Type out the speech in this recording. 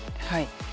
はい。